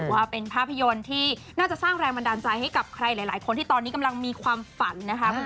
ว่าเป็นภาพยนตร์ที่น่าจะสร้างแรงบันดาลใจให้กับใครหลายคนที่ตอนนี้กำลังมีความฝันนะคะ